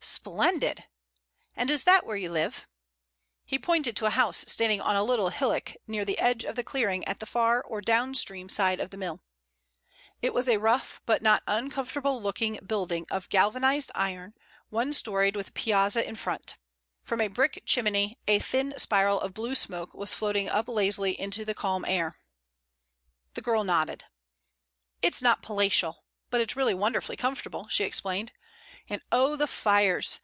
"Splendid! And is that where you live?" He pointed to a house standing on a little hillock near the edge of the clearing at the far or down stream side of the mill. It was a rough, but not uncomfortable looking building of galvanized iron, one storied and with a piazza in front. From a brick chimney a thin spiral of blue smoke was floating up lazily into the calm air. The girl nodded. "It's not palatial, but it's really wonderfully comfortable," she explained, "and oh, the fires!